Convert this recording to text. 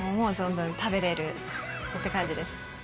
思う存分食べれるという感じです。